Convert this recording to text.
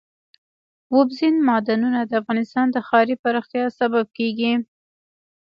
اوبزین معدنونه د افغانستان د ښاري پراختیا سبب کېږي.